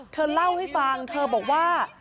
เธอเล่าให้ฟังเธอบอกว่า